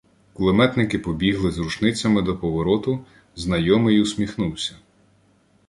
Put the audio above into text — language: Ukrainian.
Кулеметники побігли з рушницями до повороту, "знайомий" усміхнувся: